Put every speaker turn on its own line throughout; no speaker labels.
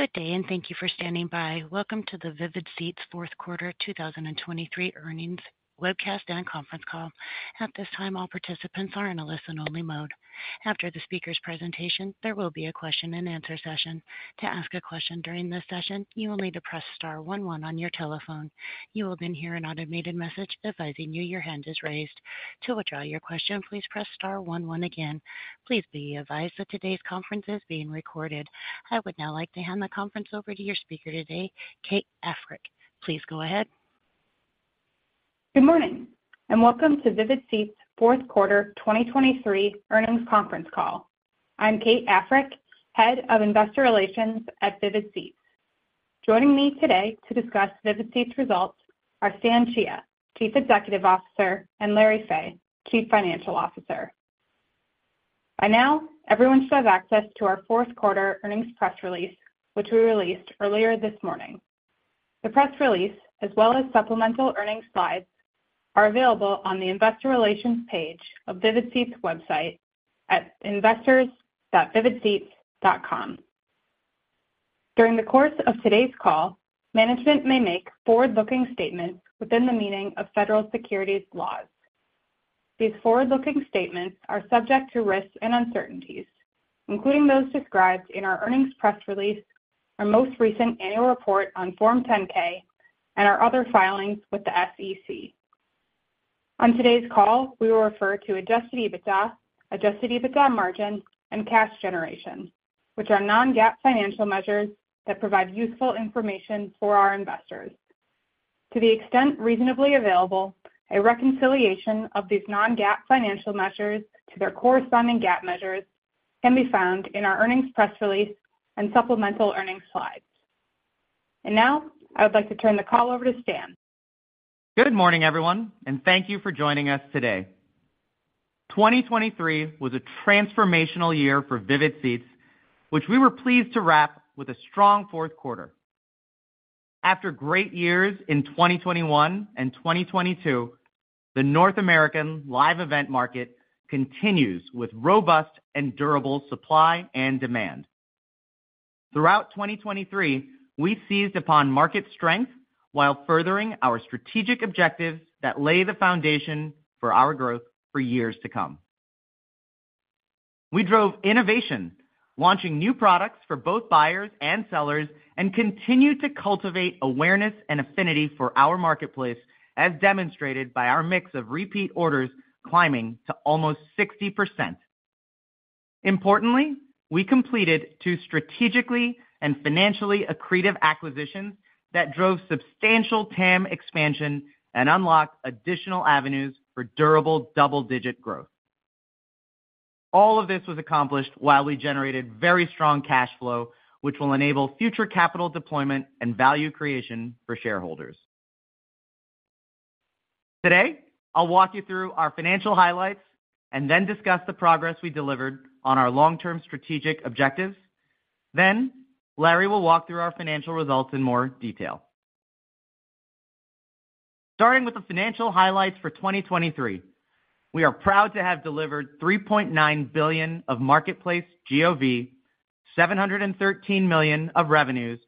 Good day, and thank you for standing by. Welcome to the Vivid Seats fourth quarter 2023 earnings webcast and conference call. At this time, all participants are in a listen-only mode. After the speaker's presentation, there will be a question-and-answer session. To ask a question during this session, you will need to press star one one on your telephone. You will then hear an automated message advising you your hand is raised. To withdraw your question, please press star one one again. Please be advised that today's conference is being recorded. I would now like to hand the conference over to your speaker today, Kate Africk. Please go ahead.
Good morning, and welcome to Vivid Seats fourth quarter 2023 earnings conference call. I'm Kate Africk, head of investor relations at Vivid Seats. Joining me today to discuss Vivid Seats results are Stan Chia, Chief Executive Officer, and Larry Fey, Chief Financial Officer. By now, everyone should have access to our fourth quarter earnings press release, which we released earlier this morning. The press release, as well as supplemental earnings slides, are available on the investor relations page of Vivid Seats website at investors.vividseats.com. During the course of today's call, management may make forward-looking statements within the meaning of federal securities laws. These forward-looking statements are subject to risks and uncertainties, including those described in our earnings press release, our most recent annual report on Form 10-K, and our other filings with the SEC. On today's call, we will refer to Adjusted EBITDA, Adjusted EBITDA margin, and cash generation, which are non-GAAP financial measures that provide useful information for our investors. To the extent reasonably available, a reconciliation of these non-GAAP financial measures to their corresponding GAAP measures can be found in our earnings press release and supplemental earnings slides. Now, I would like to turn the call over to Stan.
Good morning, everyone, and thank you for joining us today. 2023 was a transformational year for Vivid Seats, which we were pleased to wrap with a strong fourth quarter. After great years in 2021 and 2022, the North American live event market continues with robust and durable supply and demand. Throughout 2023, we seized upon market strength while furthering our strategic objectives that lay the foundation for our growth for years to come. We drove innovation, launching new products for both buyers and sellers, and continued to cultivate awareness and affinity for our marketplace, as demonstrated by our mix of repeat orders climbing to almost 60%. Importantly, we completed two strategically and financially accretive acquisitions that drove substantial TAM expansion and unlocked additional avenues for durable double-digit growth. All of this was accomplished while we generated very strong cash flow, which will enable future capital deployment and value creation for shareholders. Today, I'll walk you through our financial highlights and then discuss the progress we delivered on our long-term strategic objectives. Then, Larry will walk through our financial results in more detail. Starting with the financial highlights for 2023, we are proud to have delivered $3.9 billion of marketplace GOV, $713 million of revenues,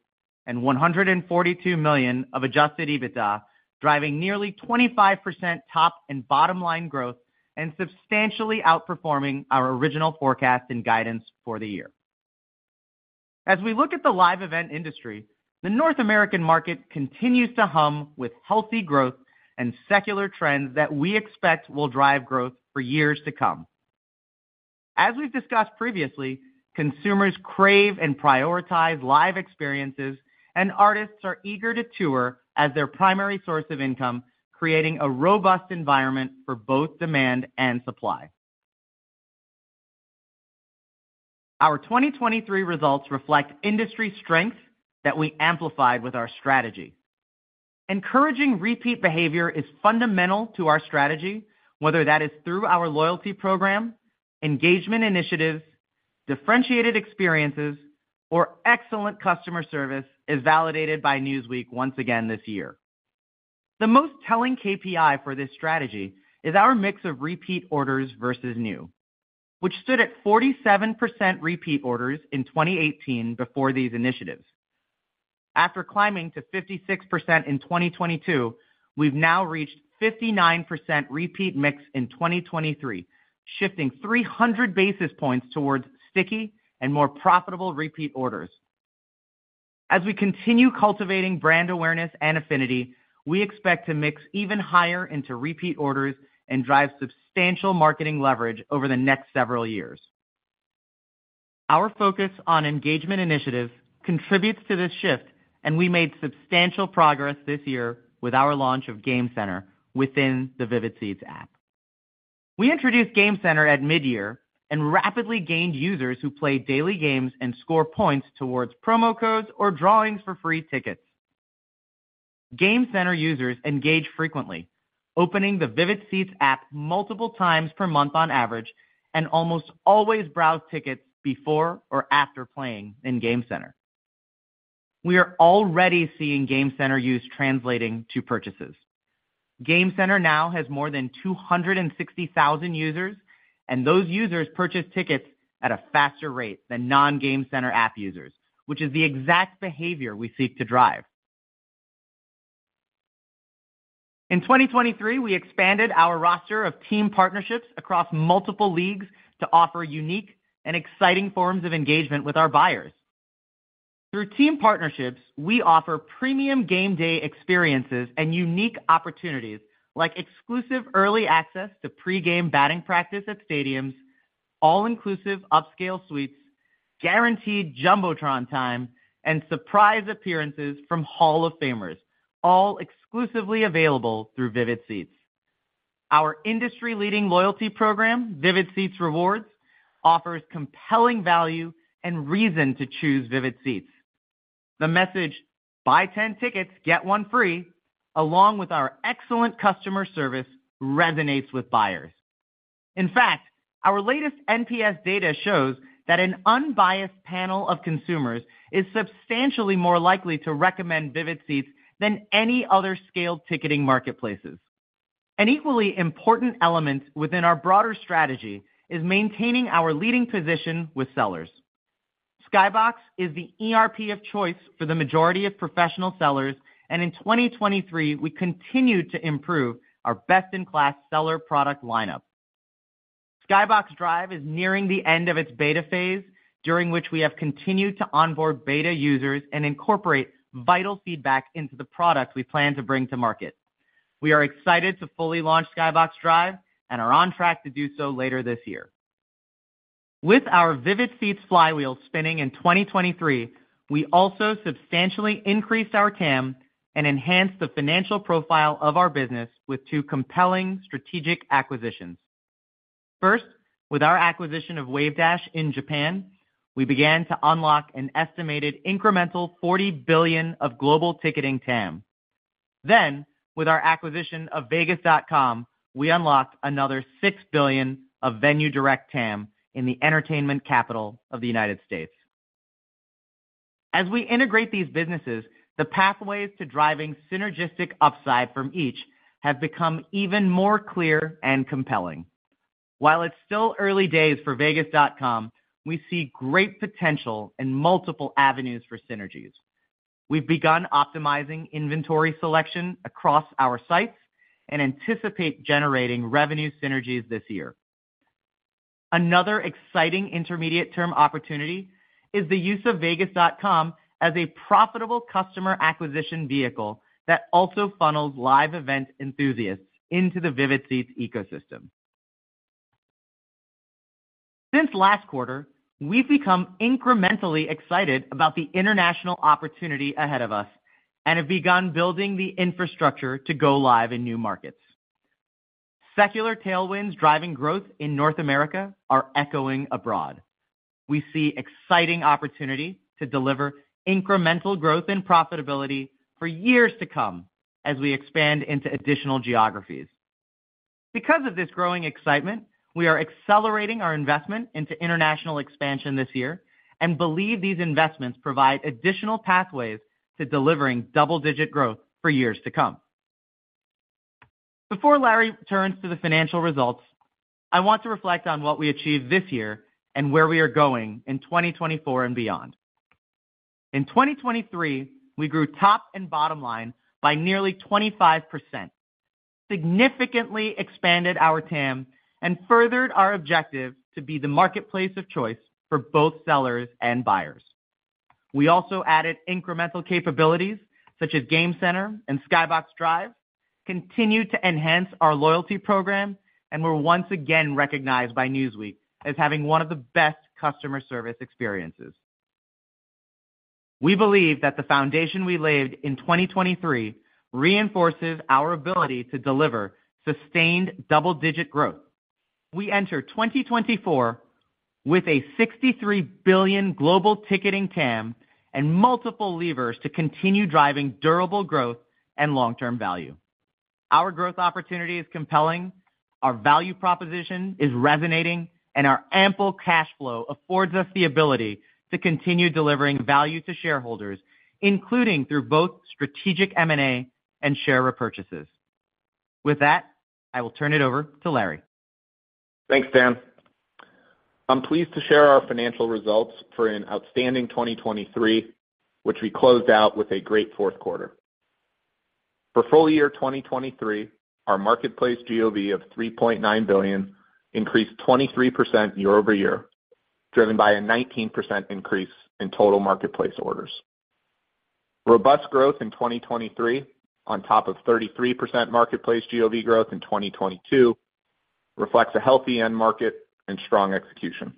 and $142 million of adjusted EBITDA, driving nearly 25% top and bottom line growth and substantially outperforming our original forecast and guidance for the year. As we look at the live event industry, the North American market continues to hum with healthy growth and secular trends that we expect will drive growth for years to come. As we've discussed previously, consumers crave and prioritize live experiences, and artists are eager to tour as their primary source of income, creating a robust environment for both demand and supply. Our 2023 results reflect industry strength that we amplified with our strategy. Encouraging repeat behavior is fundamental to our strategy, whether that is through our loyalty program, engagement initiatives, differentiated experiences, or excellent customer service, as validated by Newsweek once again this year. The most telling KPI for this strategy is our mix of repeat orders versus new, which stood at 47% repeat orders in 2018 before these initiatives. After climbing to 56% in 2022, we've now reached 59% repeat mix in 2023, shifting 300 basis points towards sticky and more profitable repeat orders. As we continue cultivating brand awareness and affinity, we expect to mix even higher into repeat orders and drive substantial marketing leverage over the next several years. Our focus on engagement initiatives contributes to this shift, and we made substantial progress this year with our launch of Game Center within the Vivid Seats App. We introduced Game Center at midyear and rapidly gained users who play daily games and score points towards promo codes or drawings for free tickets. Game Center users engage frequently, opening the Vivid Seats App multiple times per month on average, and almost always browse tickets before or after playing in Game Center. We are already seeing Game Center use translating to purchases. Game Center now has more than 260,000 users, and those users purchase tickets at a faster rate than non-Game Center app users, which is the exact behavior we seek to drive. In 2023, we expanded our roster of team partnerships across multiple leagues to offer unique and exciting forms of engagement with our buyers. Through team partnerships, we offer premium game day experiences and unique opportunities like exclusive early access to pre-game batting practice at stadiums, all-inclusive upscale suites, guaranteed Jumbotron time, and surprise appearances from Hall of Famers, all exclusively available through Vivid Seats. Our industry-leading loyalty program, Vivid Seats Rewards, offers compelling value and reason to choose Vivid Seats. The message, "Buy 10 tickets, get one free," along with our excellent customer service resonates with buyers. In fact, our latest NPS data shows that an unbiased panel of consumers is substantially more likely to recommend Vivid Seats than any other scaled ticketing marketplaces. An equally important element within our broader strategy is maintaining our leading position with sellers. Skybox is the ERP of choice for the majority of professional sellers, and in 2023, we continued to improve our best-in-class seller product lineup. Skybox Drive is nearing the end of its beta phase, during which we have continued to onboard beta users and incorporate vital feedback into the product we plan to bring to market. We are excited to fully launch Skybox Drive and are on track to do so later this year. With our Vivid Seats flywheel spinning in 2023, we also substantially increased our TAM and enhanced the financial profile of our business with two compelling strategic acquisitions. First, with our acquisition of Wavedash in Japan, we began to unlock an estimated incremental $40 billion of global ticketing TAM. Then, with our acquisition of Vegas.com, we unlocked another $6 billion of venue direct TAM in the entertainment capital of the United States. As we integrate these businesses, the pathways to driving synergistic upside from each have become even more clear and compelling. While it's still early days for Vegas.com, we see great potential in multiple avenues for synergies. We've begun optimizing inventory selection across our sites and anticipate generating revenue synergies this year. Another exciting intermediate-term opportunity is the use of Vegas.com as a profitable customer acquisition vehicle that also funnels live event enthusiasts into the Vivid Seats ecosystem. Since last quarter, we've become incrementally excited about the international opportunity ahead of us and have begun building the infrastructure to go live in new markets. Secular tailwinds driving growth in North America are echoing abroad. We see exciting opportunity to deliver incremental growth and profitability for years to come as we expand into additional geographies. Because of this growing excitement, we are accelerating our investment into international expansion this year and believe these investments provide additional pathways to delivering double-digit growth for years to come. Before Larry turns to the financial results, I want to reflect on what we achieved this year and where we are going in 2024 and beyond. In 2023, we grew top and bottom line by nearly 25%, significantly expanded our TAM, and furthered our objective to be the marketplace of choice for both sellers and buyers. We also added incremental capabilities such as Game Center and Skybox Drive, continued to enhance our loyalty program, and were once again recognized by Newsweek as having one of the best customer service experiences. We believe that the foundation we laid in 2023 reinforces our ability to deliver sustained double-digit growth. We enter 2024 with a $63 billion global ticketing TAM and multiple levers to continue driving durable growth and long-term value. Our growth opportunity is compelling, our value proposition is resonating, and our ample cash flow affords us the ability to continue delivering value to shareholders, including through both strategic M&A and share repurchases. With that, I will turn it over to Larry.
Thanks, Stan. I'm pleased to share our financial results for an outstanding 2023, which we closed out with a great fourth quarter. For full year 2023, our marketplace GOV of $3.9 billion increased 23% year-over-year, driven by a 19% increase in total marketplace orders. Robust growth in 2023, on top of 33% marketplace GOV growth in 2022, reflects a healthy end market and strong execution.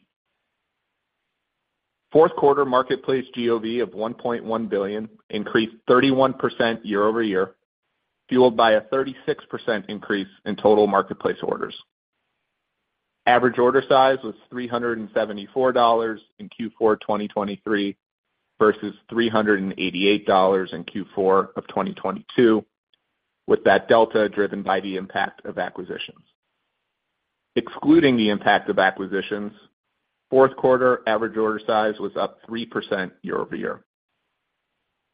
Fourth quarter marketplace GOV of $1.1 billion increased 31% year-over-year, fueled by a 36% increase in total marketplace orders. Average order size was $374 in Q4 2023 versus $388 in Q4 of 2022, with that delta driven by the impact of acquisitions. Excluding the impact of acquisitions, fourth quarter average order size was up 3% year-over-year.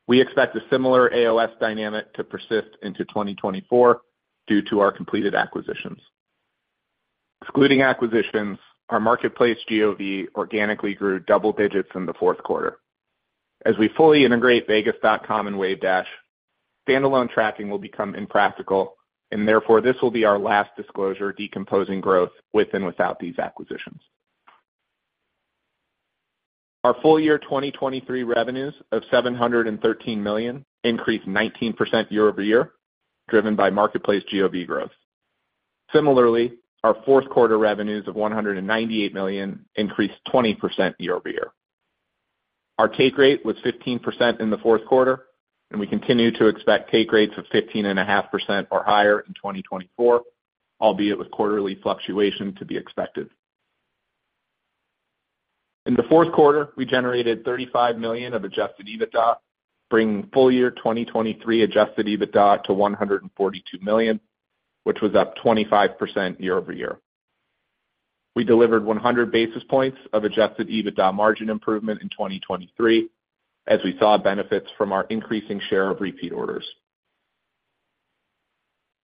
We expect a similar AOS dynamic to persist into 2024 due to our completed acquisitions. Excluding acquisitions, our marketplace GOV organically grew double digits in the fourth quarter. As we fully integrate Vegas.com and Wavedash, standalone tracking will become impractical, and therefore, this will be our last disclosure decomposing growth with and without these acquisitions. Our full year 2023 revenues of $713 million increased 19% year-over-year, driven by marketplace GOV growth. Similarly, our fourth quarter revenues of $198 million increased 20% year-over-year. Our take rate was 15% in the fourth quarter, and we continue to expect take rates of 15.5% or higher in 2024, albeit with quarterly fluctuation to be expected. In the fourth quarter, we generated $35 million of Adjusted EBITDA, bringing full year 2023 Adjusted EBITDA to $142 million, which was up 25% year-over-year. We delivered 100 basis points of Adjusted EBITDA margin improvement in 2023, as we saw benefits from our increasing share of repeat orders.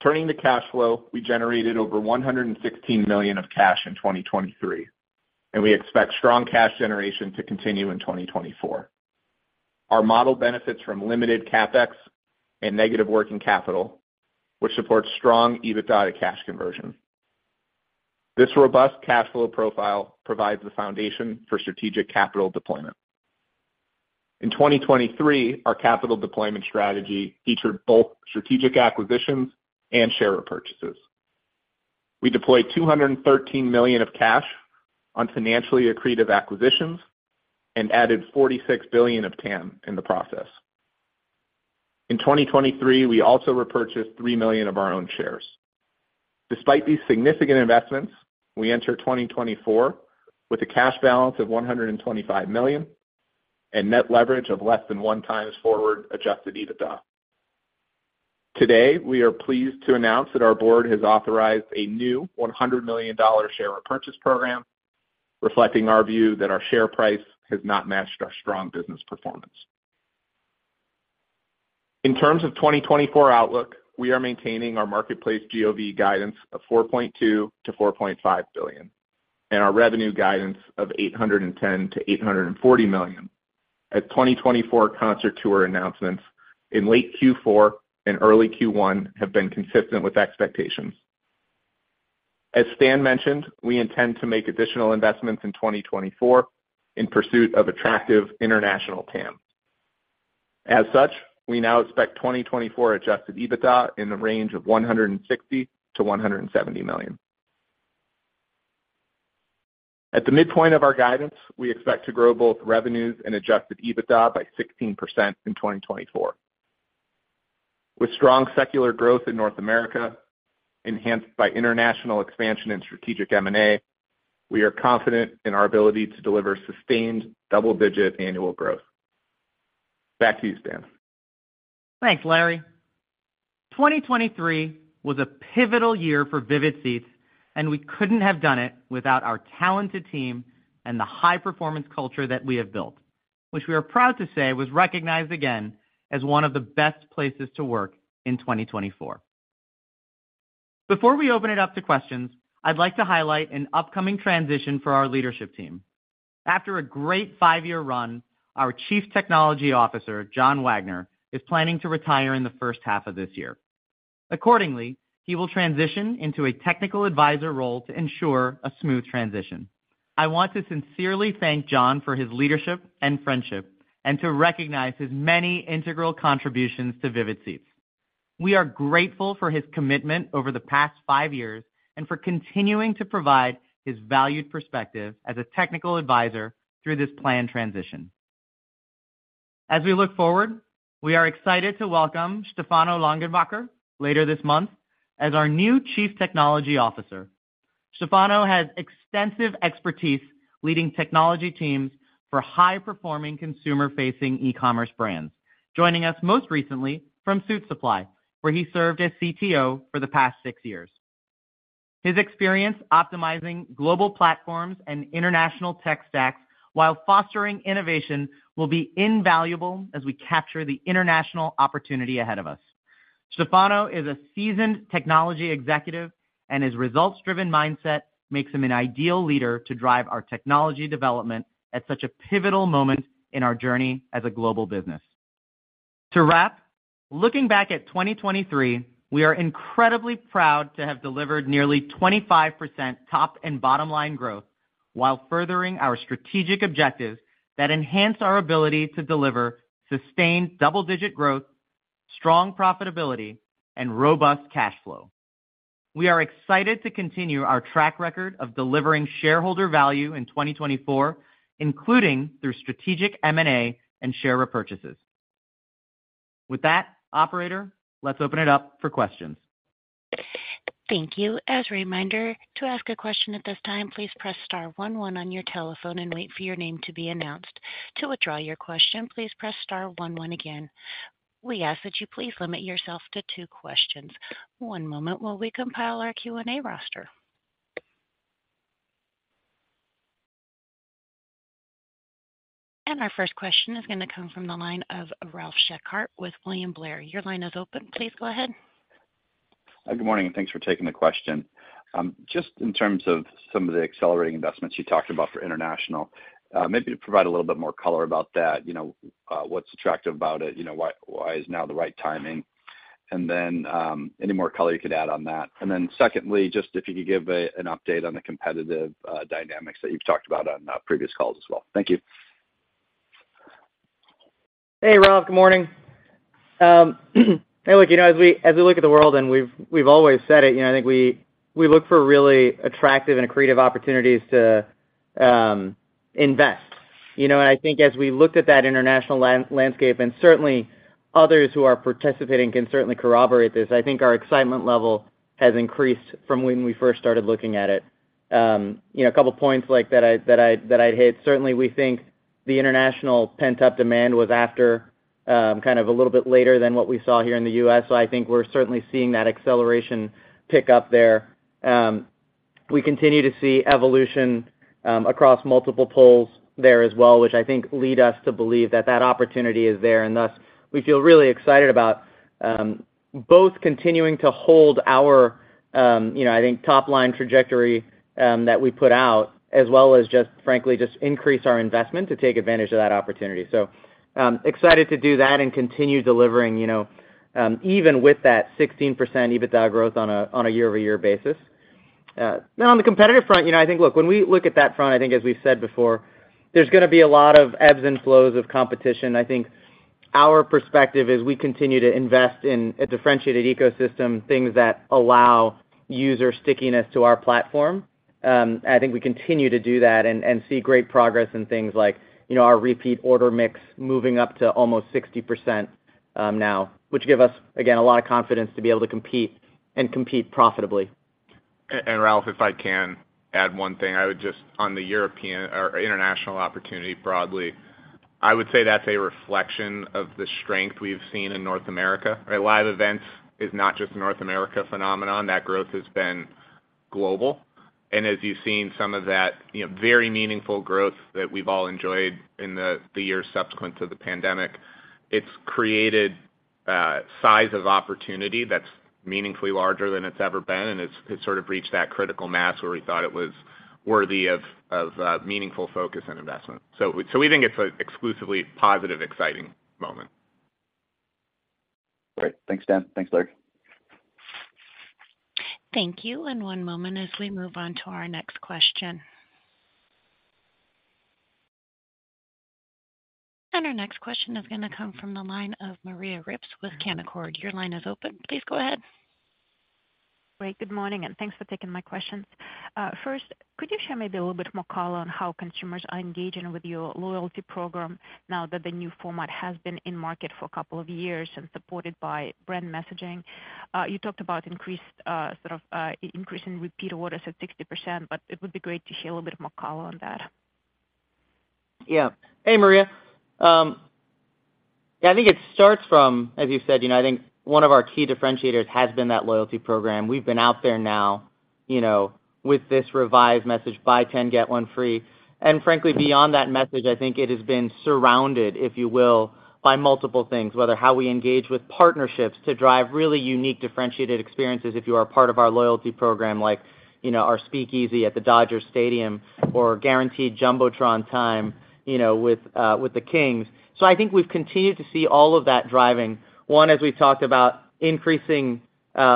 Turning to cash flow, we generated over $116 million of cash in 2023, and we expect strong cash generation to continue in 2024. Our model benefits from limited CapEx and negative working capital, which supports strong EBITDA to cash conversion. This robust cash flow profile provides the foundation for strategic capital deployment. In 2023, our capital deployment strategy featured both strategic acquisitions and share repurchases. We deployed $213 million of cash on financially accretive acquisitions and added $46 billion of TAM in the process. In 2023, we also repurchased 3 million of our own shares. Despite these significant investments, we enter 2024 with a cash balance of $125 million and net leverage of less than 1x forward adjusted EBITDA. Today, we are pleased to announce that our board has authorized a new $100 million share repurchase program, reflecting our view that our share price has not matched our strong business performance. In terms of 2024 outlook, we are maintaining our marketplace GOV guidance of $4.2 billion-$4.5 billion and our revenue guidance of $810 million-$840 million as 2024 concert tour announcements in late Q4 and early Q1 have been consistent with expectations. As Stan mentioned, we intend to make additional investments in 2024 in pursuit of attractive international TAM. As such, we now expect 2024 Adjusted EBITDA in the range of $160 million-$170 million. At the midpoint of our guidance, we expect to grow both revenues and Adjusted EBITDA by 16% in 2024. With strong secular growth in North America enhanced by international expansion and strategic M&A, we are confident in our ability to deliver sustained double-digit annual growth. Back to you, Stan.
Thanks, Larry. 2023 was a pivotal year for Vivid Seats, and we couldn't have done it without our talented team and the high-performance culture that we have built, which we are proud to say was recognized again as one of the best places to work in 2024. Before we open it up to questions, I'd like to highlight an upcoming transition for our leadership team. After a great five-year run, our Chief Technology Officer, John Wagner, is planning to retire in the first half of this year. Accordingly, he will transition into a technical advisor role to ensure a smooth transition. I want to sincerely thank John for his leadership and friendship and to recognize his many integral contributions to Vivid Seats. We are grateful for his commitment over the past 5 years and for continuing to provide his valued perspective as a technical advisor through this planned transition. As we look forward, we are excited to welcome Stefano Langenbacher later this month as our new Chief Technology Officer. Stefano has extensive expertise leading technology teams for high-performing consumer-facing e-commerce brands, joining us most recently from Suitsupply, where he served as CTO for the past six years. His experience optimizing global platforms and international tech stacks while fostering innovation will be invaluable as we capture the international opportunity ahead of us. Stefano is a seasoned technology executive, and his results-driven mindset makes him an ideal leader to drive our technology development at such a pivotal moment in our journey as a global business. To wrap, looking back at 2023, we are incredibly proud to have delivered nearly 25% top and bottom line growth while furthering our strategic objectives that enhance our ability to deliver sustained double-digit growth, strong profitability, and robust cash flow. We are excited to continue our track record of delivering shareholder value in 2024, including through strategic M&A and share repurchases. With that, operator, let's open it up for questions.
Thank you. As a reminder, to ask a question at this time, please press star one one on your telephone and wait for your name to be announced. To withdraw your question, please press star one one again. We ask that you please limit yourself to two questions. One moment while we compile our Q&A roster. Our first question is going to come from the line of Ralph Schackart with William Blair. Your line is open. Please go ahead.
Good morning, and thanks for taking the question. Just in terms of some of the accelerating investments you talked about for international, maybe to provide a little bit more color about that, what's attractive about it, why is now the right timing, and then any more color you could add on that. And then secondly, just if you could give an update on the competitive dynamics that you've talked about on previous calls as well. Thank you.
Hey, Ralph. Good morning. Hey, look, as we look at the world, and we've always said it, I think we look for really attractive and accretive opportunities to invest. And I think as we looked at that international landscape, and certainly others who are participating can certainly corroborate this, I think our excitement level has increased from when we first started looking at it. A couple of points that I'd hit, certainly we think the international pent-up demand was after kind of a little bit later than what we saw here in the U.S., so I think we're certainly seeing that acceleration pick up there. We continue to see evolution across multiple polls there as well, which I think lead us to believe that that opportunity is there, and thus we feel really excited about both continuing to hold our, I think, top-line trajectory that we put out, as well as just, frankly, just increase our investment to take advantage of that opportunity. So excited to do that and continue delivering even with that 16% EBITDA growth on a year-over-year basis. Now, on the competitive front, I think, look, when we look at that front, I think as we've said before, there's going to be a lot of ebbs and flows of competition. I think our perspective is we continue to invest in a differentiated ecosystem, things that allow user stickiness to our platform. I think we continue to do that and see great progress in things like our repeat order mix moving up to almost 60% now, which give us, again, a lot of confidence to be able to compete and compete profitably.
Ralph, if I can add one thing, I would just on the European or international opportunity broadly, I would say that's a reflection of the strength we've seen in North America. Live events is not just a North America phenomenon. That growth has been global. And as you've seen, some of that very meaningful growth that we've all enjoyed in the years subsequent to the pandemic, it's created size of opportunity that's meaningfully larger than it's ever been, and it's sort of reached that critical mass where we thought it was worthy of meaningful focus and investment. So we think it's an exclusively positive, exciting moment.
Great. Thanks, Stan. Thanks, Larry.
Thank you. One moment as we move on to our next question. Our next question is going to come from the line of Maria Ripps with Canaccord. Your line is open. Please go ahead.
Great. Good morning, and thanks for taking my questions. First, could you share maybe a little bit more color on how consumers are engaging with your loyalty program now that the new format has been in market for a couple of years and supported by brand messaging? You talked about sort of increasing repeat orders at 60%, but it would be great to hear a little bit more color on that.
Yeah. Hey, Maria. Yeah, I think it starts from, as you said, I think one of our key differentiators has been that loyalty program. We've been out there now with this revised message, "Buy 10, get one free." And frankly, beyond that message, I think it has been surrounded, if you will, by multiple things, whether how we engage with partnerships to drive really unique, differentiated experiences if you are part of our loyalty program, like our Speakeasy at the Dodger Stadium or guaranteed Jumbotron time with the Kings. So I think we've continued to see all of that driving, one, as we've talked about, increasing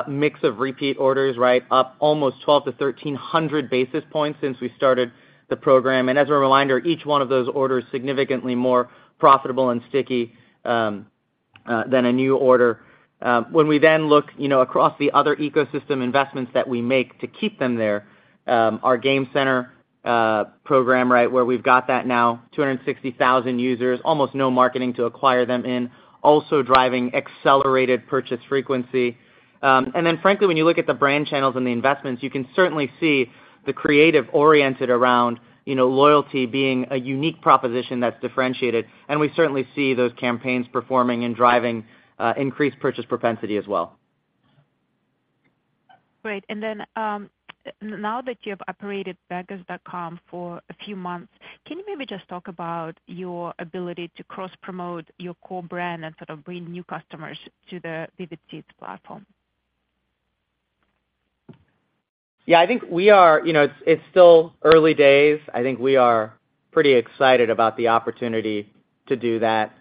mix of repeat orders, right, up almost 1,200-1,300 basis points since we started the program. And as a reminder, each one of those orders is significantly more profitable and sticky than a new order. When we then look across the other ecosystem investments that we make to keep them there, our Game Center program, right, where we've got that now, 260,000 users, almost no marketing to acquire them in, also driving accelerated purchase frequency. And then, frankly, when you look at the brand channels and the investments, you can certainly see the creative oriented around loyalty being a unique proposition that's differentiated, and we certainly see those campaigns performing and driving increased purchase propensity as well.
Great. And then now that you have operated Vegas.com for a few months, can you maybe just talk about your ability to cross-promote your core brand and sort of bring new customers to the Vivid Seats platform?
Yeah, I think we are. It's still early days. I think we are pretty excited about the opportunity to do that.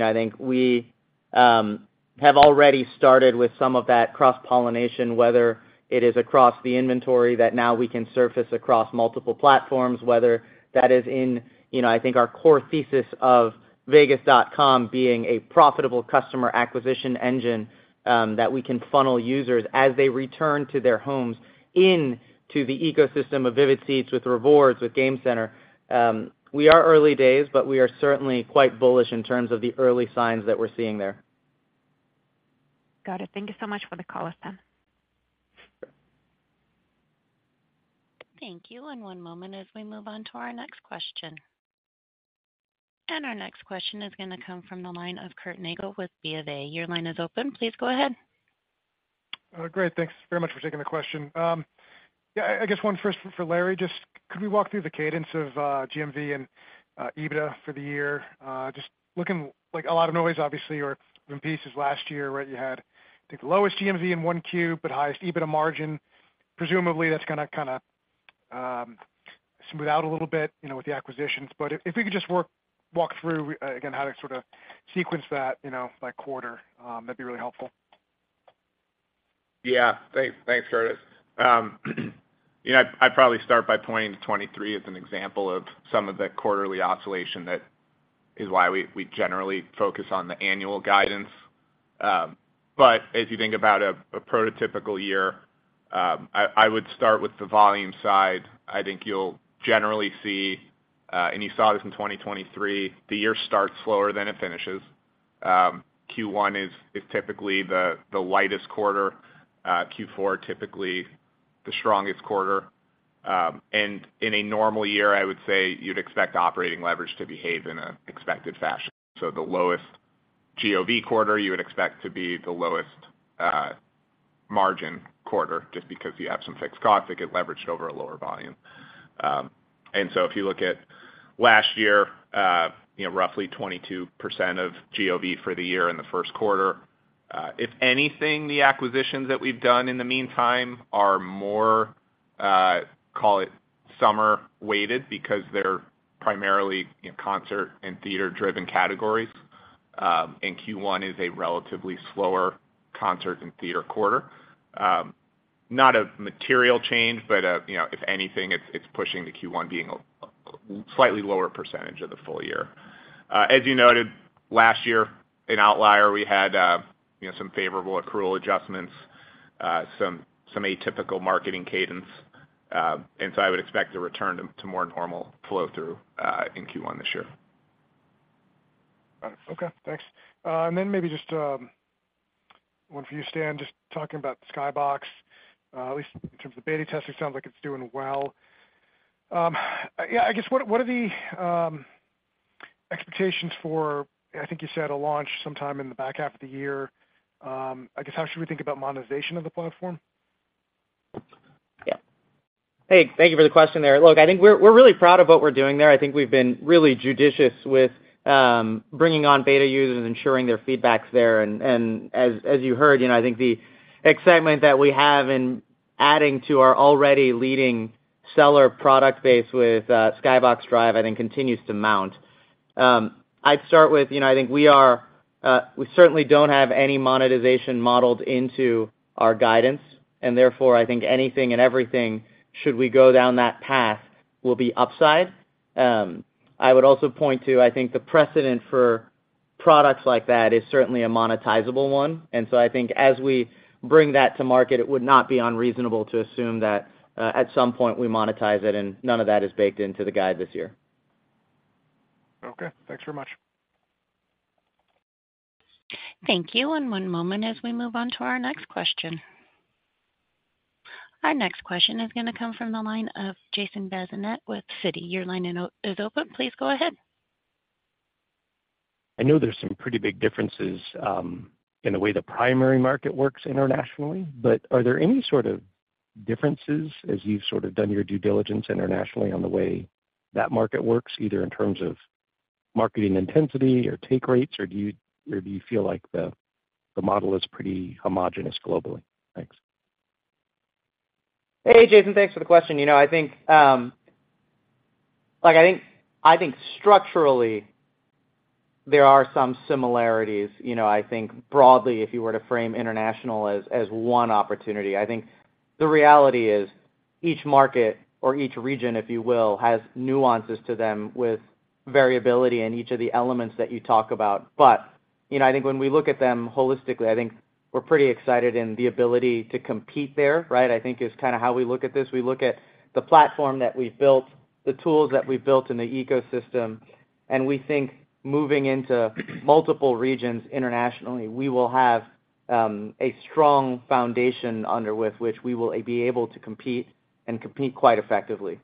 I think we have already started with some of that cross-pollination, whether it is across the inventory that now we can surface across multiple platforms, whether that is in, I think, our core thesis of Vegas.com being a profitable customer acquisition engine that we can funnel users as they return to their homes into the ecosystem of Vivid Seats with rewards, with Game Center. We are early days, but we are certainly quite bullish in terms of the early signs that we're seeing there.
Got it. Thank you so much for the call, Stan.
Thank you. And one moment as we move on to our next question. Our next question is going to come from the line of Curtis Nagle with B of A. Your line is open. Please go ahead.
Great. Thanks very much for taking the question. Yeah, I guess one first for Larry. Just could we walk through the cadence of GMV and EBITDA for the year? Just looking like a lot of noise, obviously, or in pieces last year, right, you had, I think, the lowest GMV in one Q but highest EBITDA margin. Presumably, that's going to kind of smooth out a little bit with the acquisitions. But if we could just walk through, again, how to sort of sequence that by quarter, that'd be really helpful.
Yeah. Thanks, Curtis. I'd probably start by pointing to 2023 as an example of some of the quarterly oscillation that is why we generally focus on the annual guidance. But as you think about a prototypical year, I would start with the volume side. I think you'll generally see, and you saw this in 2023, the year starts slower than it finishes. Q1 is typically the lightest quarter, Q4 typically the strongest quarter. And in a normal year, I would say you'd expect operating leverage to behave in an expected fashion. So the lowest GOV quarter, you would expect to be the lowest margin quarter just because you have some fixed costs that get leveraged over a lower volume. And so if you look at last year, roughly 22% of GOV for the year in the first quarter. If anything, the acquisitions that we've done in the meantime are more, call it, summer-weighted because they're primarily concert and theater-driven categories. And Q1 is a relatively slower concert and theater quarter. Not a material change, but if anything, it's pushing to Q1 being a slightly lower percentage of the full year. As you noted, last year, an outlier, we had some favorable accrual adjustments, some atypical marketing cadence. And so I would expect a return to more normal flow-through in Q1 this year.
Got it. Okay. Thanks. And then maybe just one for you, Stan, just talking about Skybox, at least in terms of the beta testing, sounds like it's doing well. Yeah, I guess what are the expectations for, I think you said, a launch sometime in the back half of the year? I guess how should we think about monetization of the platform?
Yeah. Hey, thank you for the question there. Look, I think we're really proud of what we're doing there. I think we've been really judicious with bringing on beta users and ensuring their feedback's there. And as you heard, I think the excitement that we have in adding to our already leading seller product base with Skybox Drive, I think, continues to mount. I'd start with, I think we certainly don't have any monetization modeled into our guidance, and therefore, I think anything and everything should we go down that path will be upside. I would also point to, I think, the precedent for products like that is certainly a monetizable one. And so I think as we bring that to market, it would not be unreasonable to assume that at some point we monetize it, and none of that is baked into the guide this year.
Okay. Thanks very much.
Thank you. And one moment as we move on to our next question. Our next question is going to come from the line of Jason Bazinet with Citi. Your line is open. Please go ahead.
I know there's some pretty big differences in the way the primary market works internationally, but are there any sort of differences as you've sort of done your due diligence internationally on the way that market works, either in terms of marketing intensity or take rates, or do you feel like the model is pretty homogenous globally? Thanks.
Hey, Jason, thanks for the question. I think structurally, there are some similarities. I think broadly, if you were to frame international as one opportunity, I think the reality is each market or each region, if you will, has nuances to them with variability in each of the elements that you talk about. But I think when we look at them holistically, I think we're pretty excited in the ability to compete there, right? I think it's kind of how we look at this. We look at the platform that we've built, the tools that we've built in the ecosystem, and we think moving into multiple regions internationally, we will have a strong foundation under which we will be able to compete and compete quite effectively.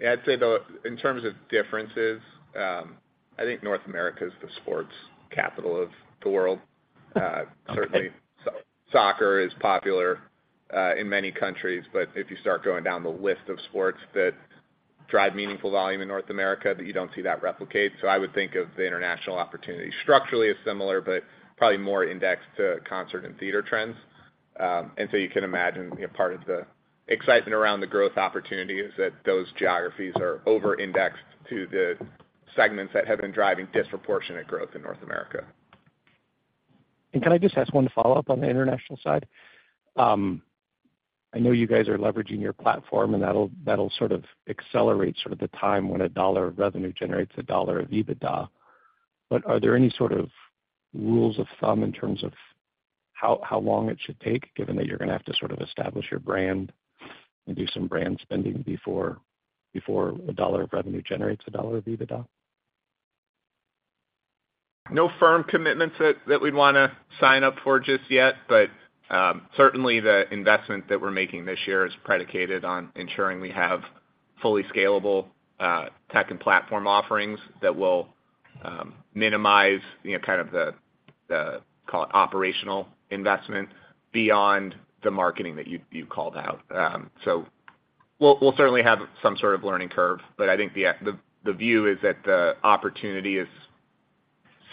Yeah, I'd say though, in terms of differences, I think North America is the sports capital of the world, certainly. Soccer is popular in many countries, but if you start going down the list of sports that drive meaningful volume in North America, you don't see that replicate. So I would think of the international opportunity structurally as similar, but probably more indexed to concert and theater trends. And so you can imagine part of the excitement around the growth opportunity is that those geographies are over-indexed to the segments that have been driving disproportionate growth in North America.
Can I just ask one follow-up on the international side? I know you guys are leveraging your platform, and that'll sort of accelerate sort of the time when a dollar of revenue generates a dollar of EBITDA. But are there any sort of rules of thumb in terms of how long it should take, given that you're going to have to sort of establish your brand and do some brand spending before a dollar of revenue generates a dollar of EBITDA?
No firm commitments that we'd want to sign up for just yet, but certainly, the investment that we're making this year is predicated on ensuring we have fully scalable tech and platform offerings that will minimize kind of the, call it, operational investment beyond the marketing that you called out. So we'll certainly have some sort of learning curve, but I think the view is that the opportunity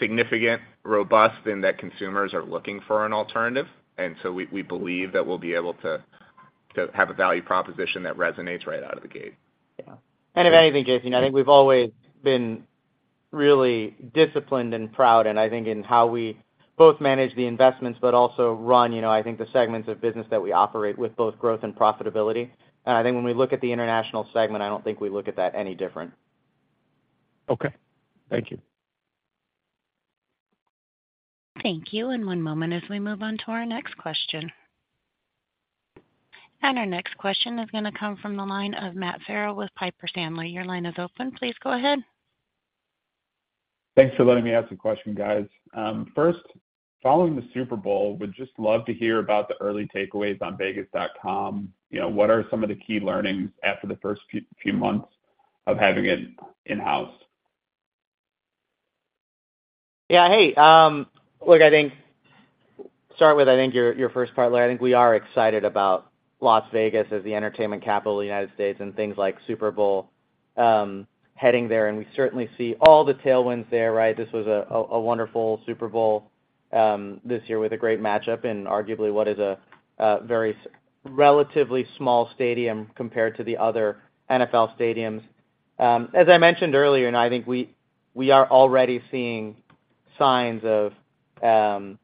is significant, robust, in that consumers are looking for an alternative. And so we believe that we'll be able to have a value proposition that resonates right out of the gate.
Yeah. And if anything, Jason, I think we've always been really disciplined and proud, and I think in how we both manage the investments but also run, I think, the segments of business that we operate with both growth and profitability. And I think when we look at the international segment, I don't think we look at that any different.
Okay. Thank you.
Thank you. One moment as we move on to our next question. Our next question is going to come from the line of Matt Farrell with Piper Sandler. Your line is open. Please go ahead.
Thanks for letting me ask the question, guys. First, following the Super Bowl, would just love to hear about the early takeaways on Vegas.com. What are some of the key learnings after the first few months of having it in-house?
Yeah. Hey, look, I think start with, I think, your first part, Larry. I think we are excited about Las Vegas as the entertainment capital of the United States and things like Super Bowl heading there. And we certainly see all the tailwinds there, right? This was a wonderful Super Bowl this year with a great matchup in arguably what is a very relatively small stadium compared to the other NFL stadiums. As I mentioned earlier, I think we are already seeing signs of bullishness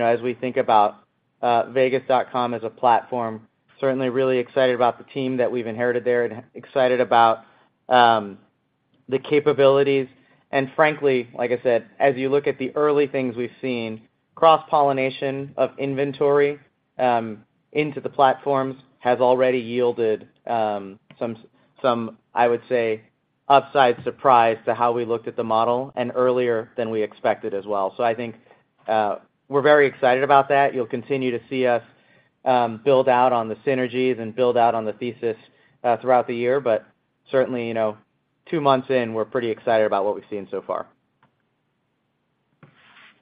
as we think about Vegas.com as a platform. Certainly really excited about the team that we've inherited there and excited about the capabilities. And frankly, like I said, as you look at the early things we've seen, cross-pollination of inventory into the platforms has already yielded some, I would say, upside surprise to how we looked at the model and earlier than we expected as well. So I think we're very excited about that. You'll continue to see us build out on the synergies and build out on the thesis throughout the year. But certainly, two months in, we're pretty excited about what we've seen so far.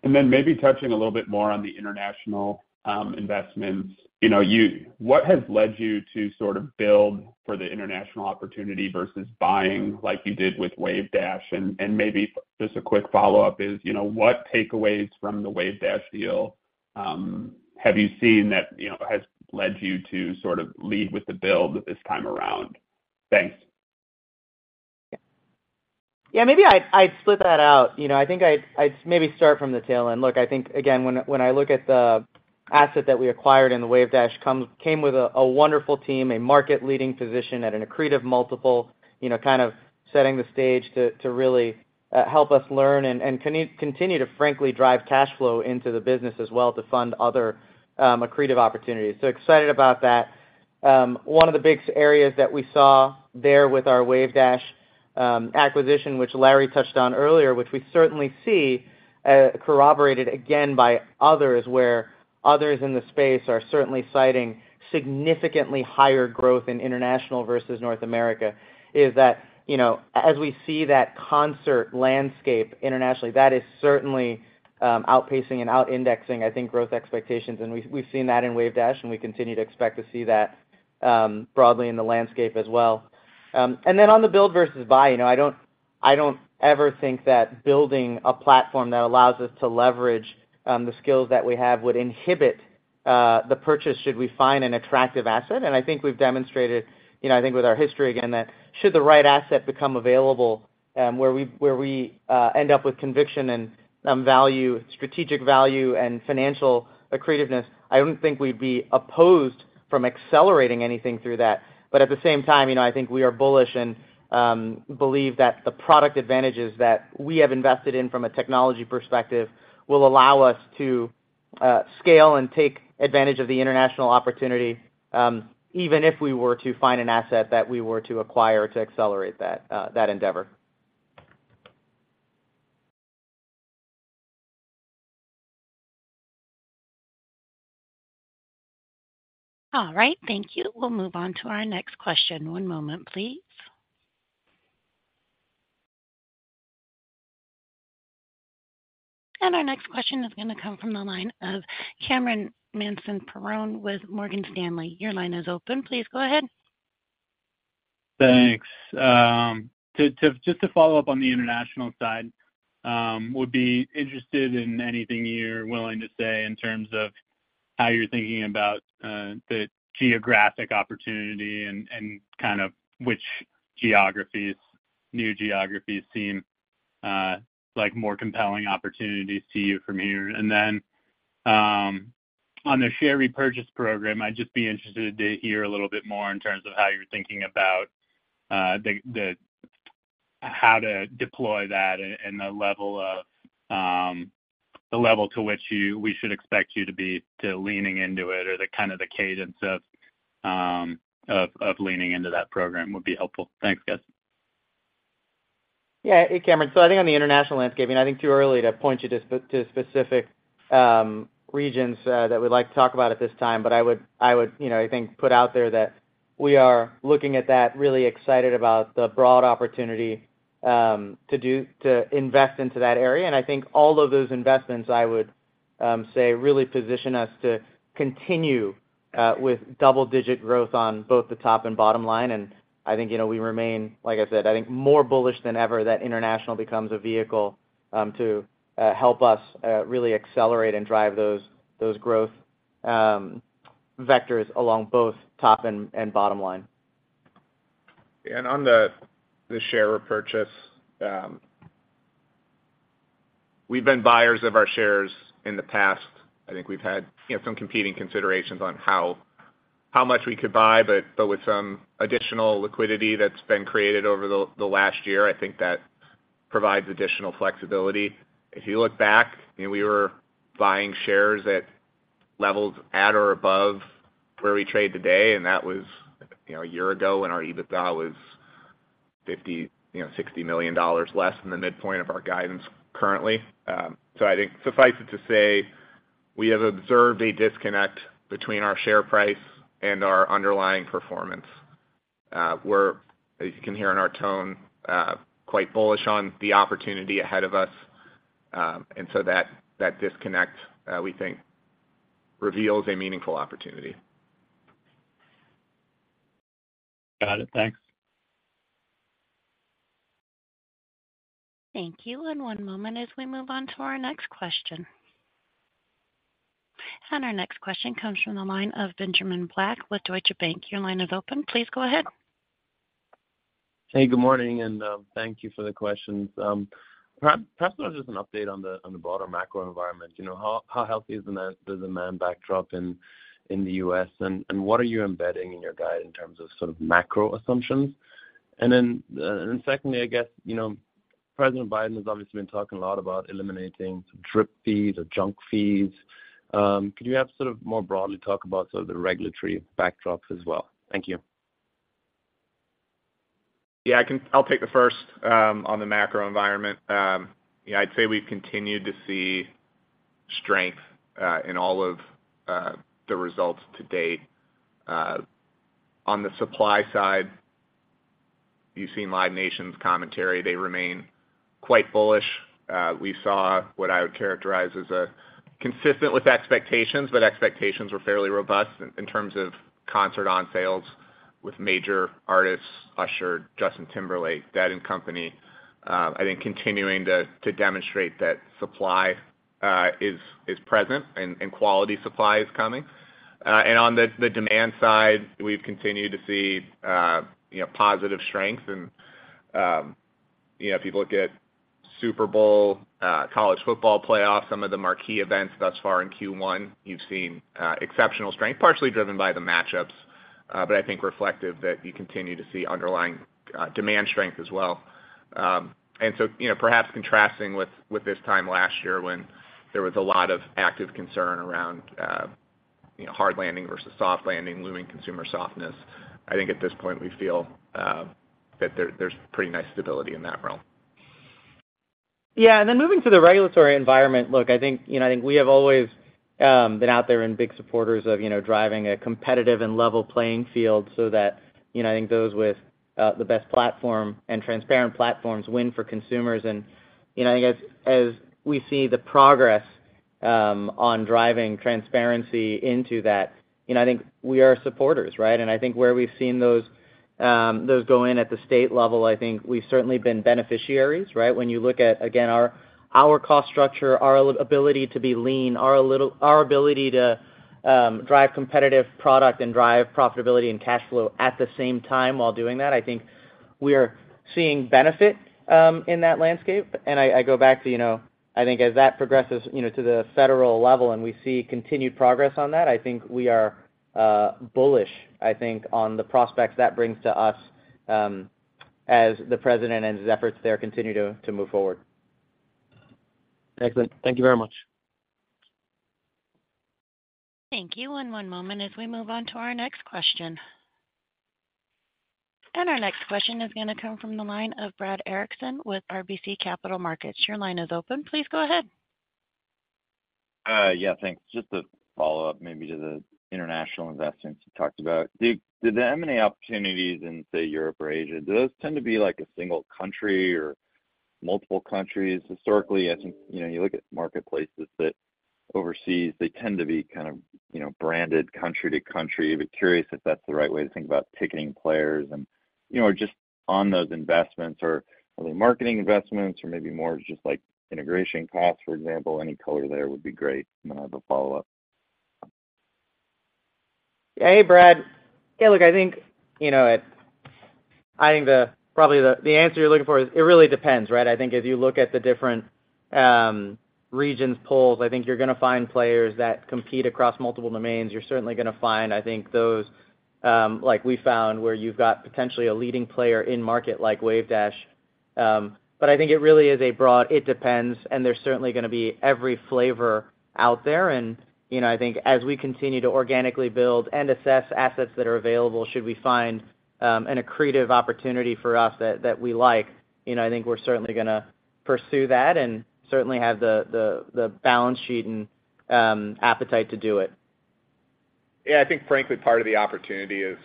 And then maybe touching a little bit more on the international investments, what has led you to sort of build for the international opportunity versus buying like you did with Wavedash? And maybe just a quick follow-up is, what takeaways from the Wavedash deal have you seen that has led you to sort of lead with the build this time around? Thanks.
Yeah. Maybe I'd split that out. I think I'd maybe start from the tail end. Look, I think, again, when I look at the asset that we acquired and the Wavedash came with a wonderful team, a market-leading position at an accretive multiple, kind of setting the stage to really help us learn and continue to frankly drive cash flow into the business as well to fund other accretive opportunities. So excited about that. One of the big areas that we saw there with our Wavedash acquisition, which Larry touched on earlier, which we certainly see corroborated again by others where others in the space are certainly citing significantly higher growth in international versus North America, is that as we see that concert landscape internationally, that is certainly outpacing and out-indexing, I think, growth expectations. And we've seen that in Wavedash, and we continue to expect to see that broadly in the landscape as well. And then on the build versus buy, I don't ever think that building a platform that allows us to leverage the skills that we have would inhibit the purchase should we find an attractive asset. And I think we've demonstrated, I think, with our history, again, that should the right asset become available where we end up with conviction and strategic value and financial accretiveness, I don't think we'd be opposed from accelerating anything through that. But at the same time, I think we are bullish and believe that the product advantages that we have invested in from a technology perspective will allow us to scale and take advantage of the international opportunity, even if we were to find an asset that we were to acquire to accelerate that endeavor.
All right. Thank you. We'll move on to our next question. One moment, please. And our next question is going to come from the line of Cameron Mansson-Perrone with Morgan Stanley. Your line is open. Please go ahead.
Thanks. Just to follow up on the international side, would be interested in anything you're willing to say in terms of how you're thinking about the geographic opportunity and kind of which new geographies seem like more compelling opportunities to you from here? Then on the share repurchase program, I'd just be interested to hear a little bit more in terms of how you're thinking about how to deploy that and the level to which we should expect you to be leaning into it or kind of the cadence of leaning into that program would be helpful? Thanks, guys.
Yeah. Hey, Cameron. So I think on the international landscape, and I think it's too early to point you to specific regions that we'd like to talk about at this time, but I would, I think, put out there that we are looking at that, really excited about the broad opportunity to invest into that area. And I think all of those investments, I would say, really position us to continue with double-digit growth on both the top and bottom line. And I think we remain, like I said, I think more bullish than ever that international becomes a vehicle to help us really accelerate and drive those growth vectors along both top and bottom line.
Yeah. And on the share repurchase, we've been buyers of our shares in the past. I think we've had some competing considerations on how much we could buy, but with some additional liquidity that's been created over the last year, I think that provides additional flexibility. If you look back, we were buying shares at levels at or above where we trade today, and that was a year ago when our EBITDA was $60 million less than the midpoint of our guidance currently. So I think suffice it to say, we have observed a disconnect between our share price and our underlying performance. We're, as you can hear in our tone, quite bullish on the opportunity ahead of us. And so that disconnect, we think, reveals a meaningful opportunity. Got it. Thanks.
Thank you. One moment as we move on to our next question. Our next question comes from the line of Benjamin Black with Deutsche Bank. Your line is open. Please go ahead.
Hey, good morning. Thank you for the questions. Perhaps there's just an update on the broader macro environment. How healthy is the demand backdrop in the U.S., and what are you embedding in your guide in terms of sort of macro assumptions? And then secondly, I guess, President Biden has obviously been talking a lot about eliminating junk fees. Could you have sort of more broadly talk about sort of the regulatory backdrop as well? Thank you.
Yeah. I'll take the first on the macro environment. I'd say we've continued to see strength in all of the results to date. On the supply side, you've seen Live Nation's commentary. They remain quite bullish. We saw what I would characterize as consistent with expectations, but expectations were fairly robust in terms of concert on-sales with major artists, Usher, Justin Timberlake, Dead & Company, I think, continuing to demonstrate that supply is present and quality supply is coming. On the demand side, we've continued to see positive strength. If you look at Super Bowl, College Football Playoffs, some of the marquee events thus far in Q1, you've seen exceptional strength, partially driven by the matchups, but I think reflective that you continue to see underlying demand strength as well. And so perhaps contrasting with this time last year when there was a lot of active concern around hard landing versus soft landing, looming consumer softness, I think at this point, we feel that there's pretty nice stability in that realm.
Yeah. And then moving to the regulatory environment, look, I think we have always been out there and big supporters of driving a competitive and level playing field so that I think those with the best platform and transparent platforms win for consumers. And I think as we see the progress on driving transparency into that, I think we are supporters, right? And I think where we've seen those go in at the state level, I think we've certainly been beneficiaries, right? When you look at, again, our cost structure, our ability to be lean, our ability to drive competitive product and drive profitability and cash flow at the same time while doing that, I think we are seeing benefit in that landscape. I go back to, I think, as that progresses to the federal level and we see continued progress on that, I think we are bullish, I think, on the prospects that brings to us as the president and his efforts there continue to move forward.
Excellent. Thank you very much.
Thank you. One moment as we move on to our next question. Our next question is going to come from the line of Brad Erickson with RBC Capital Markets. Your line is open. Please go ahead.
Yeah. Thanks. Just a follow-up maybe to the international investments you talked about. Do the M&A opportunities in, say, Europe or Asia, do those tend to be a single country or multiple countries? Historically, I think you look at marketplaces that overseas, they tend to be kind of branded country to country. I'd be curious if that's the right way to think about ticketing players or just on those investments or are they marketing investments or maybe more just integration costs, for example? Any color there would be great. I'm going to have a follow-up.
Hey, Brad. Yeah. Look, I think probably the answer you're looking for is it really depends, right? I think as you look at the different regions, pools, I think you're going to find players that compete across multiple domains. You're certainly going to find, I think, those like we found where you've got potentially a leading player in market like Wavedash. But I think it really is a broad it depends. And there's certainly going to be every flavor out there. And I think as we continue to organically build and assess assets that are available, should we find an accretive opportunity for us that we like, I think we're certainly going to pursue that and certainly have the balance sheet and appetite to do it.
Yeah. I think frankly, part of the opportunity is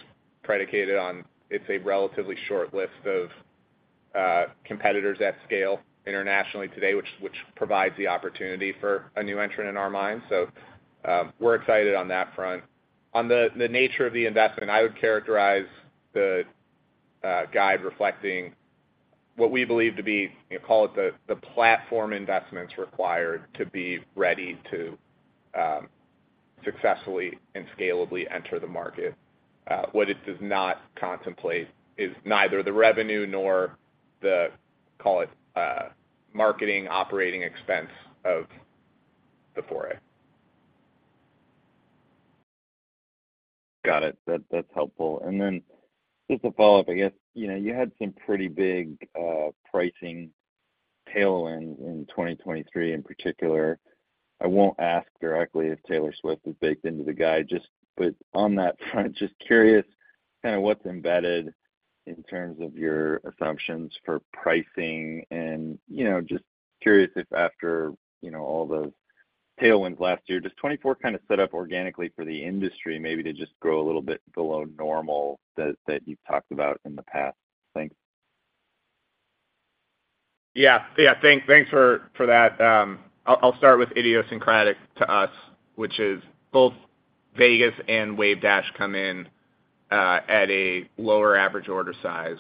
predicated on it's a relatively short list of competitors at scale internationally today, which provides the opportunity for a new entrant in our minds. So we're excited on that front. On the nature of the investment, I would characterize the guide reflecting what we believe to be, call it the platform investments required to be ready to successfully and scalably enter the market. What it does not contemplate is neither the revenue nor the, call it, marketing operating expense of the foray.
Got it. That's helpful. And then just a follow-up, I guess, you had some pretty big pricing tailwinds in 2023 in particular. I won't ask directly if Taylor Swift is baked into the guide, but on that front, just curious kind of what's embedded in terms of your assumptions for pricing. And just curious if after all those tailwinds last year, does 2024 kind of set up organically for the industry maybe to just grow a little bit below normal that you've talked about in the past? Thanks.
Yeah. Yeah. Thanks for that. I'll start with idiosyncratic to us, which is both Vegas and Wavedash come in at a lower average order size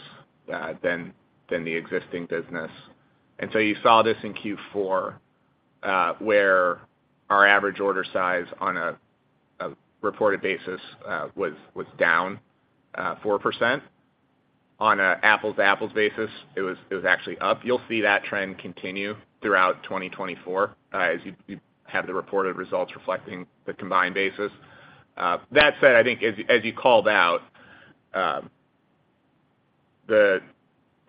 than the existing business. And so you saw this in Q4 where our average order size on a reported basis was down 4%. On an apples-to-apples basis, it was actually up. You'll see that trend continue throughout 2024 as you have the reported results reflecting the combined basis. That said, I think as you called out, the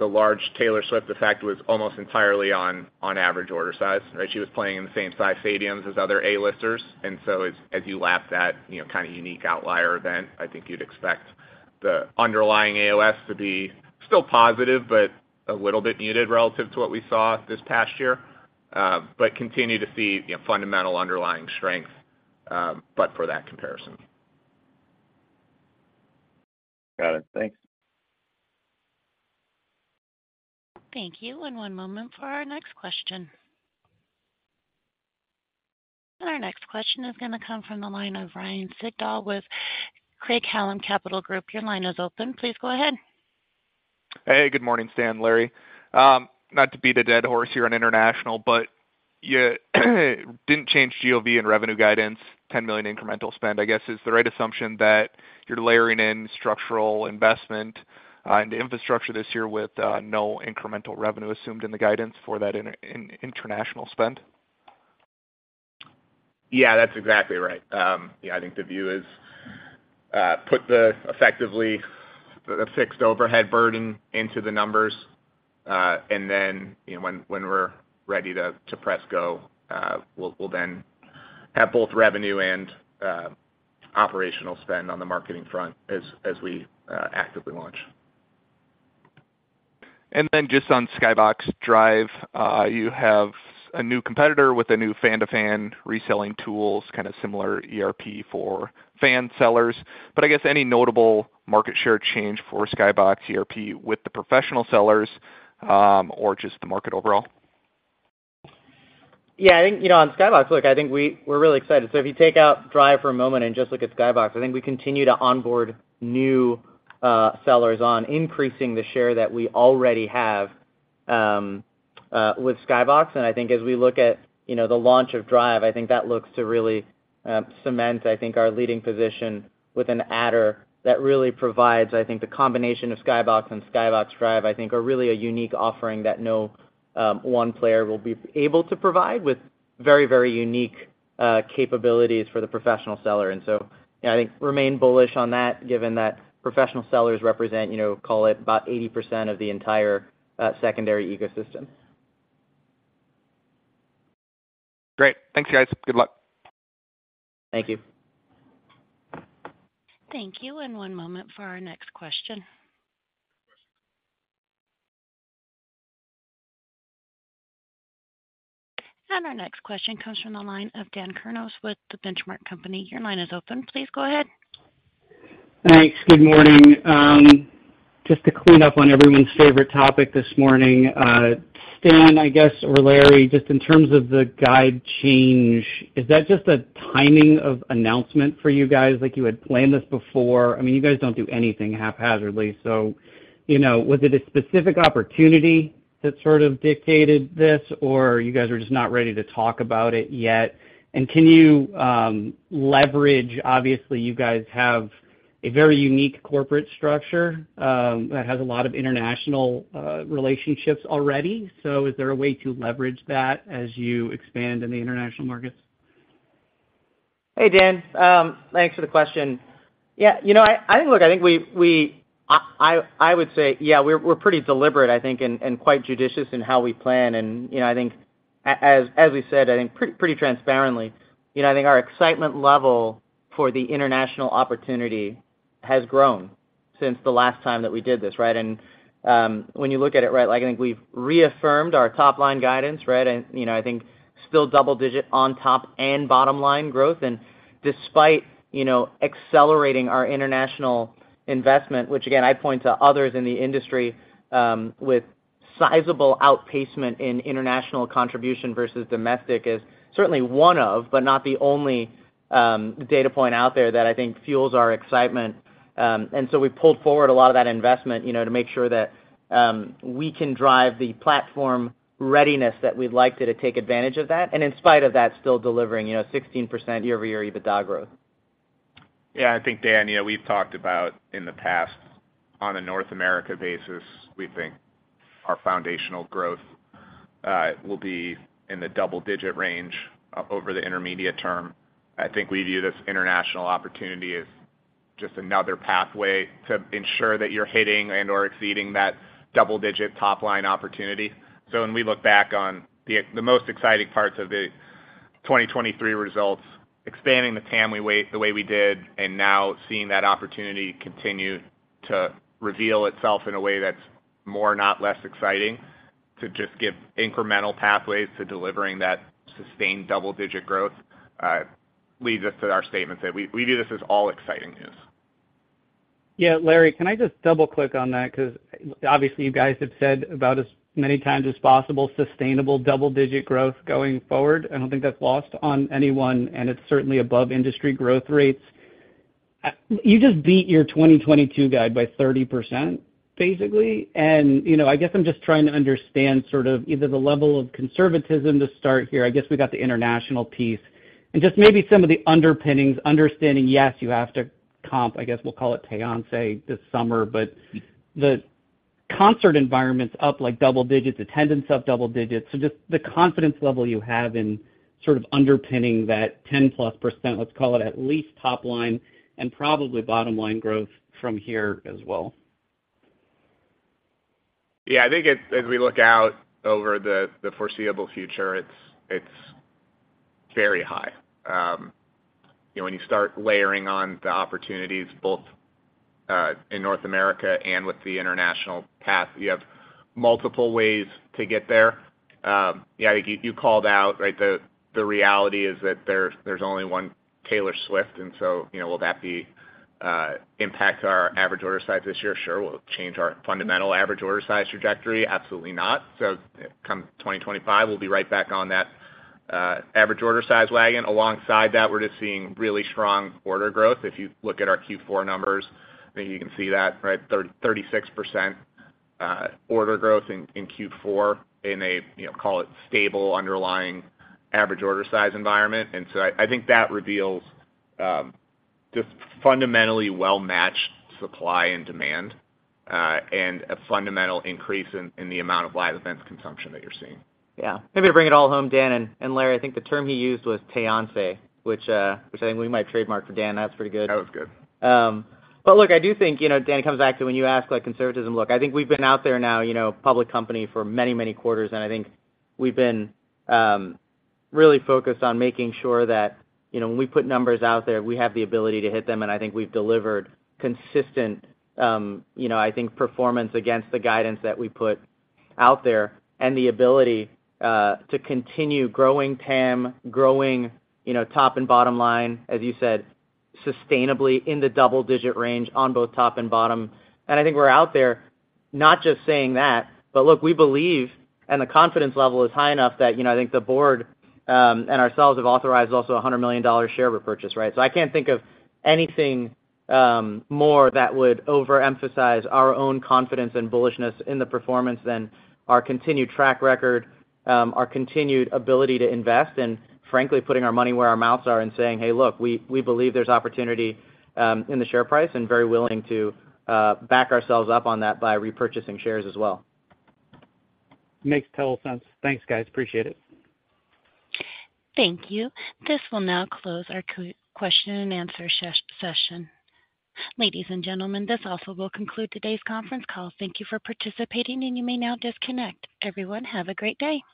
large Taylor Swift effect was almost entirely on average order size, right? She was playing in the same size stadiums as other A-listers. And so, as you lap that kind of unique outlier event, I think you'd expect the underlying AOS to be still positive, but a little bit muted relative to what we saw this past year, but continue to see fundamental underlying strength, but for that comparison.
Got it. Thanks.
Thank you. One moment for our next question. Our next question is going to come from the line of Ryan Sigdahl with Craig-Hallum Capital Group. Your line is open. Please go ahead.
Hey. Good morning, Stan, Larry. Not to be the dead horse here on international, but you didn't change GOV and revenue guidance, $10 million incremental spend, I guess, is the right assumption that you're layering in structural investment into infrastructure this year with no incremental revenue assumed in the guidance for that international spend?
Yeah. That's exactly right. Yeah. I think the view is put the effectively fixed overhead burden into the numbers. And then when we're ready to press go, we'll then have both revenue and operational spend on the marketing front as we actively launch. And then just on Skybox Drive, you have a new competitor with a new fan-to-fan reselling tools, kind of similar ERP for fan sellers. But I guess any notable market share change for Skybox ERP with the professional sellers or just the market overall?
Yeah. I think on Skybox, look, I think we're really excited. So if you take out Drive for a moment and just look at Skybox, I think we continue to onboard new sellers on, increasing the share that we already have with Skybox. And I think as we look at the launch of Drive, I think that looks to really cement, I think, our leading position with an offer that really provides, I think, the combination of Skybox and Skybox Drive, I think, are really a unique offering that no one player will be able to provide with very, very unique capabilities for the professional seller. And so I think remain bullish on that given that professional sellers represent, call it, about 80% of the entire secondary ecosystem.
Great. Thanks, guys. Good luck.
Thank you.
Thank you. One moment for our next question. Our next question comes from the line of Dan Kurnos with The Benchmark Company. Your line is open. Please go ahead.
Thanks. Good morning. Just to clean up on everyone's favorite topic this morning, Stan, I guess, or Larry, just in terms of the guide change, is that just a timing of announcement for you guys? You had planned this before. I mean, you guys don't do anything haphazardly. So was it a specific opportunity that sort of dictated this, or you guys were just not ready to talk about it yet? And can you leverage, obviously, you guys have a very unique corporate structure that has a lot of international relationships already. So is there a way to leverage that as you expand in the international markets?
Hey, Dan. Thanks for the question. Yeah. I think, look, I think I would say, yeah, we're pretty deliberate, I think, and quite judicious in how we plan. And I think, as we said, I think pretty transparently, I think our excitement level for the international opportunity has grown since the last time that we did this, right? And when you look at it, right, I think we've reaffirmed our top-line guidance, right? And I think still double-digit on top and bottom-line growth. And despite accelerating our international investment, which, again, I point to others in the industry with sizable outperformance in international contribution versus domestic, is certainly one of, but not the only, data point out there that I think fuels our excitement. And so we pulled forward a lot of that investment to make sure that we can drive the platform readiness that we'd like to take advantage of that and in spite of that, still delivering 16% year-over-year EBITDA growth.
Yeah. I think, Dan, we've talked about in the past, on a North America basis, we think our foundational growth will be in the double-digit range over the intermediate term. I think we view this international opportunity as just another pathway to ensure that you're hitting and/or exceeding that double-digit top-line opportunity. So when we look back on the most exciting parts of the 2023 results, expanding the TAM the way we did and now seeing that opportunity continue to reveal itself in a way that's more, not less exciting, to just give incremental pathways to delivering that sustained double-digit growth leads us to our statement that we view this as all exciting news.
Yeah. Larry, can I just double-click on that? Because obviously, you guys have said about as many times as possible sustainable double-digit growth going forward. I don't think that's lost on anyone. And it's certainly above industry growth rates. You just beat your 2022 guide by 30%, basically. And I guess I'm just trying to understand sort of either the level of conservatism to start here. I guess we got the international piece. And just maybe some of the underpinnings, understanding, yes, you have to comp, I guess we'll call i this summer, but the concert environments up like double-digits, attendance up double-digits. So just the confidence level you have in sort of underpinning that 10%+, let's call it, at least top-line and probably bottom-line growth from here as well.
Yeah. I think as we look out over the foreseeable future, it's very high. When you start layering on the opportunities both in North America and with the international path, you have multiple ways to get there. Yeah. I think you called out, right, the reality is that there's only one Taylor Swift. And so will that impact our average order size this year? Sure. Will it change our fundamental average order size trajectory? Absolutely not. So come 2025, we'll be right back on that average order size wagon. Alongside that, we're just seeing really strong order growth. If you look at our Q4 numbers, I think you can see that, right, 36% order growth in Q4 in a, call it, stable underlying average order size environment. And so I think that reveals just fundamentally well-matched supply and demand and a fundamental increase in the amount of live events consumption that you're seeing.
Yeah. Maybe to bring it all home, Dan and Larry, I think the term he used was payance, which I think we might trademark for Dan. That's pretty good.
That was good.
But look, I do think, Dan, it comes back to when you ask conservatism. Look, I think we've been out there now, public company for many, many quarters. And I think we've been really focused on making sure that when we put numbers out there, we have the ability to hit them. And I think we've delivered consistent, I think, performance against the guidance that we put out there and the ability to continue growing TAM, growing top and bottom line, as you said, sustainably in the double-digit range on both top and bottom. And I think we're out there not just saying that, but look, we believe, and the confidence level is high enough that I think the board and ourselves have authorized also a $100 million share repurchase, right? I can't think of anything more that would overemphasize our own confidence and bullishness in the performance than our continued track record, our continued ability to invest, and frankly, putting our money where our mouths are and saying, "Hey, look, we believe there's opportunity in the share price and very willing to back ourselves up on that by repurchasing shares as well.
Makes total sense. Thanks, guys. Appreciate it.
Thank you. This will now close our question-and-answer session. Ladies and gentlemen, this also will conclude today's conference call. Thank you for participating, and you may now disconnect. Everyone, have a great day.